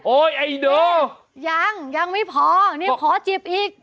โอ๊ยไอ้โด่ยังยังไม่พอนี่พอจิบอีก